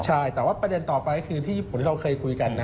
ใช่แต่ว่าประเด็นต่อไปก็คือที่ญี่ปุ่นที่เราเคยคุยกันนะ